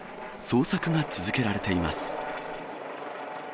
捜索が続けられています。